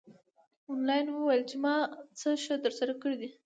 انیلا وویل چې ما څه ښه درسره کړي دي